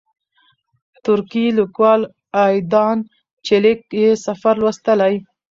ترکی لیکوال ایدان چیلیک یې سفر لوستلی.